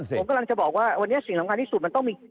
ผมกำลังจะบอกว่าวันนี้สิ่งสำคัญที่สุดมันต้องมี